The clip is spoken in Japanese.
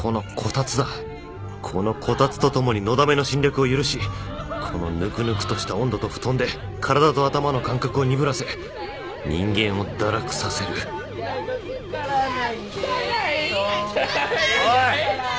このこたつとともにのだめの侵略を許しこのぬくぬくとした温度と布団で体と頭の感覚を鈍らせ人間を堕落させるおい！